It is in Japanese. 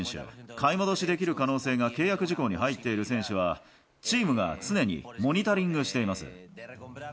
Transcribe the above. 買い戻しできる可能性が契約事項に入っている選手は、チームが常にモニタリングしています。